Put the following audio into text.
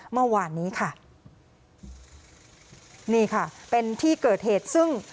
เมื่อวานนี้ค่ะนี่ค่ะเป็นที่เกิดเหตุซึ่ง